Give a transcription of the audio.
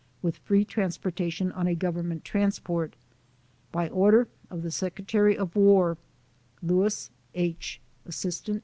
with free transporta tion on a Government transport. By order of the Sec. of War. Louis II., Asst.